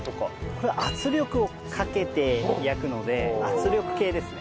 これ圧力をかけて焼くので圧力計ですね。